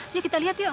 yuk kita lihat yuk